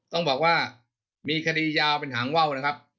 ต้องบอกว่ามีคดียาวเป็นหางว่าวนะครับ